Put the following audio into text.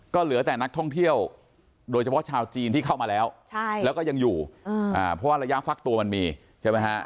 ก็เหลือแต่นักท่องเที่ยวโดยเฉพาะชาวจีนที่เข้ามาแล้วแล้วก็ยังอยู่เพราะว่าระยะฟักตัวมันมีใช่ไหมฮะ